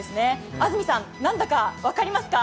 安住さん、何だか分かりますか？